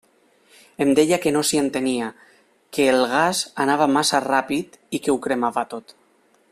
Em deia que no s'hi entenia, que el gas anava massa ràpid i que ho cremava tot.